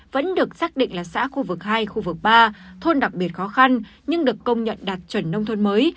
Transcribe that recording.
vẫn được xác định là xã khu vực hai khu vực ba thôn đặc biệt khó khăn nhưng được công nhận đạt chuẩn nông thôn mới